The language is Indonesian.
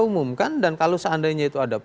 umumkan dan kalau seandainya itu ada